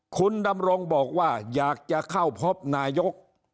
คุณดำรงบอกว่าอยากจะเข้าพบนายก